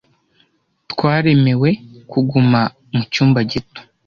Twaremewe kuguma mu cyumba gito.